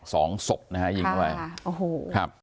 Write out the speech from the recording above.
สองศพนะฮะยิงเข้าไปค่ะโอ้โหครับ